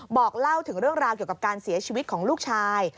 บอกเล่าถึงเรื่องราวเกี่ยวกับการเสียชีวิตของลูกชาย